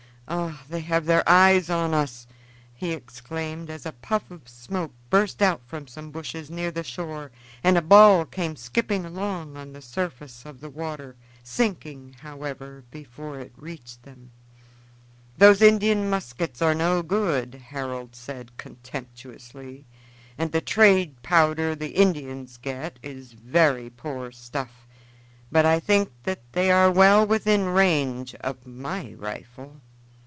Ah! they have their eyes on us!" he exclaimed as a puff of smoke burst out from some bushes near the shore and a ball came skipping along on the surface of the water, sinking, however, before it reached it. "Those Indian muskets are no good," Harold said contemptuously, "and the trade powder the Indians get is very poor stuff; but I think that they are well within range of my rifle."